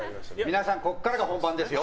皆さん、ここからが本番ですよ。